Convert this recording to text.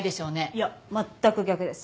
いやまったく逆です。